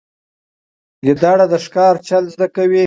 ګیدړ د ښکار چل زده کوي.